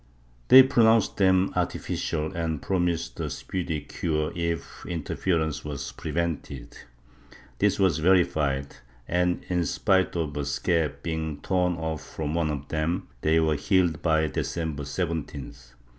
They pronounced them artificial and promised a speedy cure if interference was prevented. This was verified and, in spite of a scab being torn off from one of them, they were healed by December 17th.